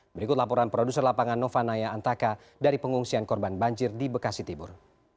berikut laporan produser lapangan nova naya antaka dari pengungsian korban banjir di bekasi timur